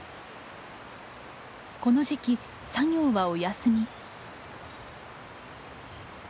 この時期作業はお休み。